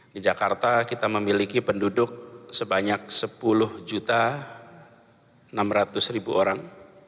di jakarta kita memiliki penduduk sebanyak sepuluh enam ratus orang